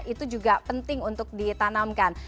itu juga penting untuk ditanamkan